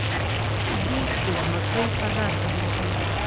دوی سپوږمکۍ فضا ته لیږي.